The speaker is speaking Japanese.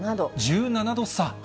１７度差？